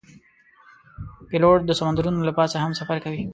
پیلوټ د سمندرونو له پاسه هم سفر کوي.